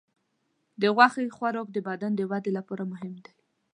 د غوښې خوراک د بدن د وده لپاره مهم دی.